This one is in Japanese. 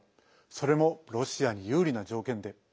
それもロシアに有利な条件で。